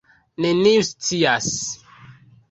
Neniu scias.